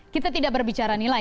kita tidak berbicara nilai